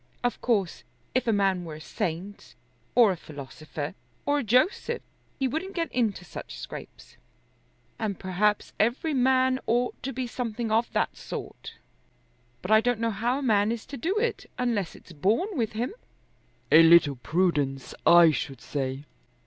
Of course if a man were a saint or a philosopher or a Joseph he wouldn't get into such scrapes, and perhaps every man ought to be something of that sort. But I don't know how a man is to do it, unless it's born with him." "A little prudence I should say."